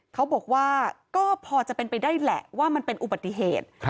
เขาบอกว่าก็พอจะเป็นไปได้แหละว่ามันเป็นอุบัติเหตุ